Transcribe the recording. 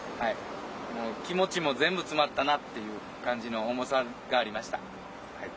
気持ちも全部詰まったなっていう感じの重さがありました。